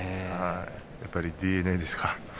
やっぱりＤＮＡですか。